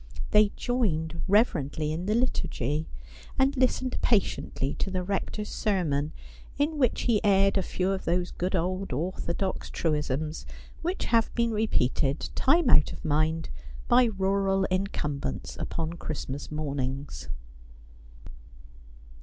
They joined reverently in the Liturgy, and listened patiently to the Rector's sermon, in which he aired a few of those good old orthodox truisms which have been re peated time out of mind by rural incumbents upon Christmas mornings.